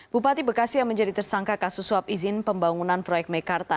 bupati bekasi yang menjadi tersangka kasus suap izin pembangunan proyek mekarta